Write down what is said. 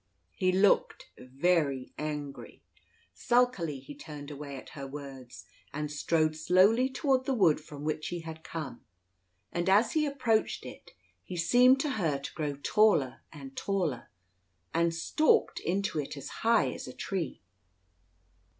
He looked very angry. Sulkily he turned away at her words, and strode slowly toward the wood from which he had come; and as he approached it, he seemed to her to grow taller and taller, and stalked into it as high as a tree.